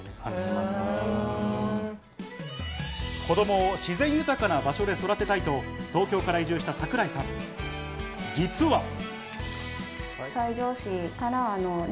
子供を自然豊かな場所で育てたいと東京から移住した櫻井さん、実は。